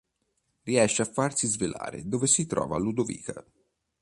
Riesce a farsi svelare dove si trova Ludovica.